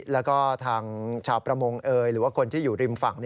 แล้วก็ทางชาวประมงหรือว่าคนที่อยู่ริมฝั่ง